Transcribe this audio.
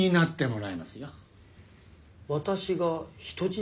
私が人質？